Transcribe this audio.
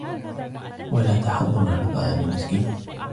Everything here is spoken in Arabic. وَلَا تَحَاضُّونَ عَلَىٰ طَعَامِ الْمِسْكِينِ